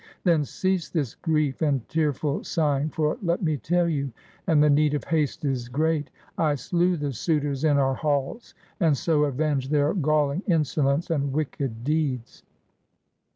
Then cease this grief and tearful sighing; for let me tell you, — and the need of haste is great, — I slew the suitors in our halls, and so avenged their galling insolence and wicked deeds."